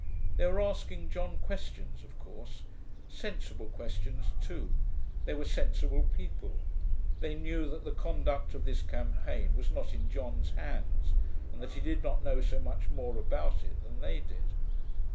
They were asking John questions, of course. Sensible questions, too; they were sensible people. They knew that the conduct of this campaign was not in John's hands, and that he did not know so much more about it than they did.